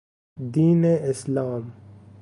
دین اسلام